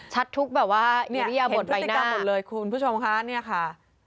ทุกแบบว่าหมดพฤติกรรมหมดเลยคุณผู้ชมค่ะเนี่ยค่ะ